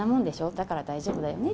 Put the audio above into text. だから大丈夫だよね？